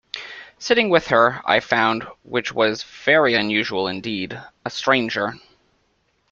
Sitting with her, I found — which was very unusual indeed — a stranger.